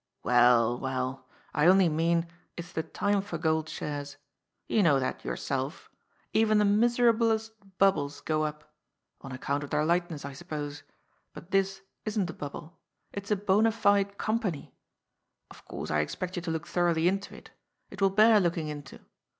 " Well, well, I only mean, it's the time for gold shares. You know that, yourself. Even the miserablest bubbles go up. On account of their lightness, I suppose. But this isn't a bubble. It's a bona fide company. Of course I expect you to look thoroughly into it. It will bear looking into.